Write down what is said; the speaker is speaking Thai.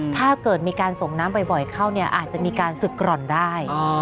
ถ้าเกิดมีการส่งน้ำบ่อยเข้าเนี่ยอาจจะมีการศึกกร่อนได้